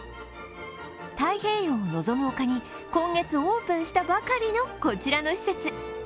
太平洋を望む丘に今月オープンしたばかりの、こちらの施設。